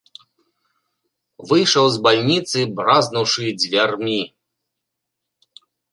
Выйшаў з бальніцы, бразнуўшы дзвярмі.